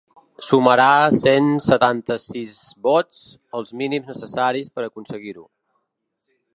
Sumarà cent setanta-sis vots, els mínims necessaris per aconseguir-ho.